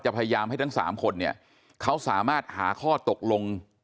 พยายามให้ทั้งสามคนเนี่ยเขาสามารถหาข้อตกลง